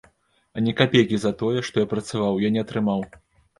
Ані капейкі за тое, што я працаваў, я не атрымаў.